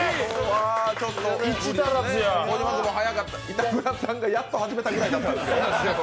板倉さんがやっと始めたくらいだった。